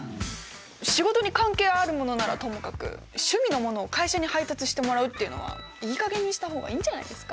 仕事に関係あるものならともかく趣味のものを会社に配達してもらうっていうのはいいかげんにした方がいいんじゃないですか？